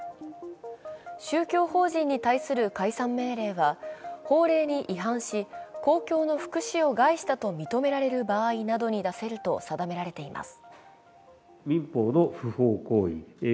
宗教法人に対する解散命令は法令に違反し、公共の福祉を害したと認められる場合などに出せると定められています。